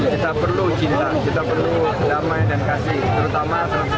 kita perlu cinta kita perlu damai dan kasih terutama satu ratus enam puluh lima hari ke depan